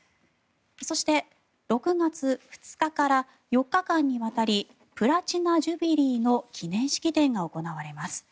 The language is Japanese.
そして、６月２日から４日間にわたりプラチナジュビリーの記念式典が行われます。